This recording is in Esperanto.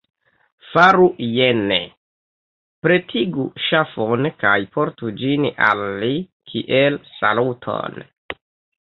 Faru jene: pretigu ŝafon kaj portu ĝin al li kiel saluton.